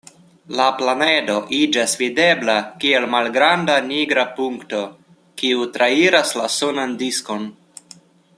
La planedo iĝas videbla kiel malgranda nigra punkto, kiu trairas la sunan diskon.